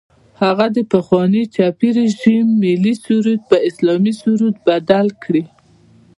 هغه د پخواني چپي رژیم ملي سرود په اسلامي سرود بدل کړي.